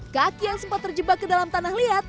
kaki yang sempat terjebak ke dalam tanah liat